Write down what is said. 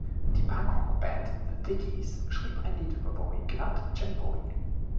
Die Punkrock-Band The Dickies schrieb ein Lied über Bowie, genannt "Jim Bowie".